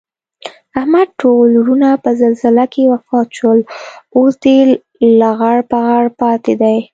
احمد ټول ورڼه په زلزله کې وفات شول. اوس دی لغړ پغړ پاتې دی